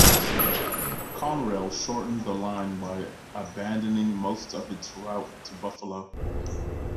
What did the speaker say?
Conrail shortened the line by abandoning most of its route to Buffalo.